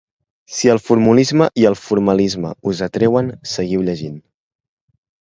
Si el formulisme i el formalisme us atreuen, seguiu llegint.